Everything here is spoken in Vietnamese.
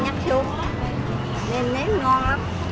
nêm nếm ngon lắm